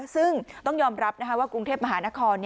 ซึ่งต้องยอมรับว่ากรุงเทพมหานคร